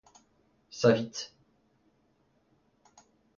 Savit.